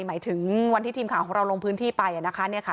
หมายถึงวันที่ทีมข่าวของเราลงพื้นที่ไปนะคะ